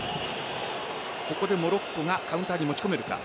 ここでモロッコがカウンターに持ち込めるか。